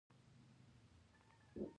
عمر رضي الله عنه د ابولؤلؤ له په شهادت ورسېد.